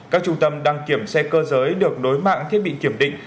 các trung tâm đăng kiểm xe cơ giới được nối mạng thiết bị kiểm định